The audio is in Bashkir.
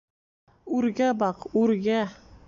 — Үргә баҡ, үргә!